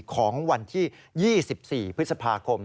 ของวันที่๒๔พฤษภาคม